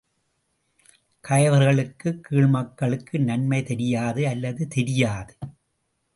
கயவர்களுக்கு கீழ்மக்களுக்கு நன்மை தெரியாது நல்லது தெரியாது.